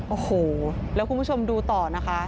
โอ้โหแล้วคุณผู้ชมดูต่อนะคะ